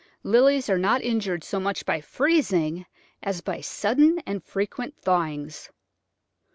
Lilies are not injured so much by freezing as by sudden and frequent thawings.